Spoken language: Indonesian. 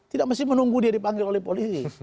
tidak mesti menunggu dia dipanggil oleh polisi